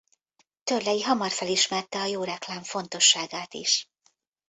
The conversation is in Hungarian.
Törley hamar felismerte a jó reklám fontosságát is.